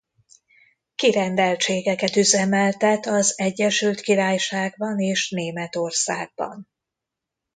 Kirendeltségeket üzemeltet az Egyesült Királyságban és Németországban.